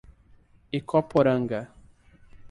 Ecoporanga